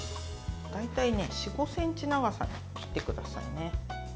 大体４５ｃｍの長さに切ってくださいね。